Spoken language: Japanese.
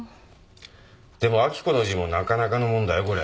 でも明子の字もなかなかのもんだよこれ。